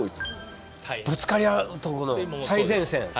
ぶつかり合う所の最前線。